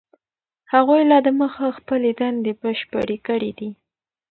هغوی لا دمخه خپلې دندې بشپړې کړي دي.